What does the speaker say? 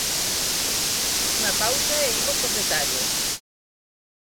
Unha pausa e imos cos detalles.